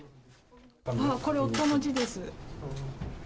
これ、夫の字です。